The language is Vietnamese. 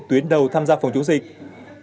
tuyến đầu tham gia phòng chống dịch